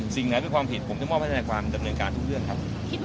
สิ่งไหนเป็นความผิดผมจะมอบให้ทนายความดำเนินการทุกเรื่องครับ